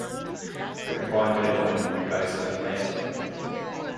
The combined airline will be based in Atlanta.